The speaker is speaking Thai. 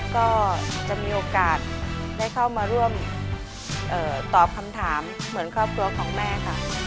ก็จะมีโอกาสได้เข้ามาร่วมตอบคำถามเหมือนครอบครัวของแม่ค่ะ